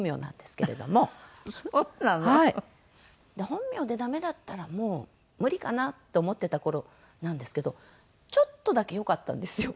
本名でダメだったらもう無理かなと思ってた頃なんですけどちょっとだけ良かったんですよ。